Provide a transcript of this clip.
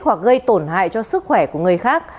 hoặc gây tổn hại cho sức khỏe của người khác